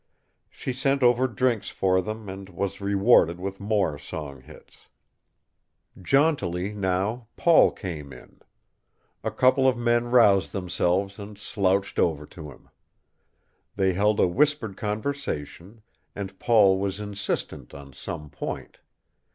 She sent over drinks for them and was rewarded with more song hits. Jauntily now Paul came in. A couple of men roused themselves and slouched over to him. They held a whispered conversation, and Paul was insistent on some point.